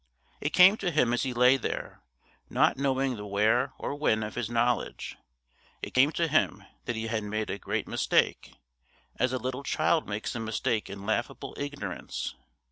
It came to him as he lay there, not knowing the where or when of his knowledge it came to him that he had made a great mistake, as a little child makes a mistake in laughable ignorance.